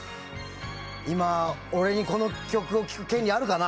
今、俺にこの曲を聞く権利あるかな？